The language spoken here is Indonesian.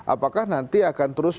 apakah nanti akan terus